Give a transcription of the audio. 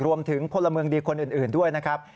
พลเมืองดีคนอื่นด้วยนะครับ